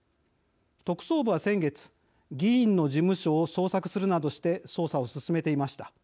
特捜部は先月議員の事務所を捜索するなどして捜査を進めていました。